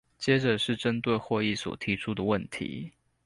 接著是針對會議所提出的問題